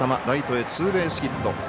ライトへ、ツーベースヒット。